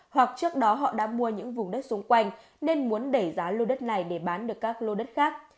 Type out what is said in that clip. hoặc trước đó họ đã mua những vùng đất xung quanh nên muốn đẩy giá lô đất này để bán được các lô đất khác